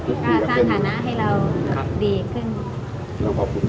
ก็สร้างฐานะให้เราดีขึ้น